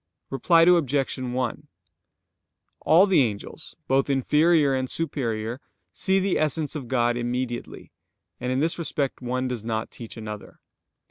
Reply Obj. 1: All the angels, both inferior and superior, see the Essence of God immediately, and in this respect one does not teach another.